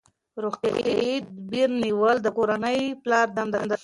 روغتیايي تدابیر نیول د کورنۍ د پلار دنده ده.